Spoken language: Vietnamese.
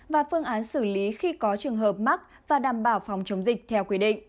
và phương án xử lý khi có trường hợp mắc và đảm bảo phòng chống dịch theo quy định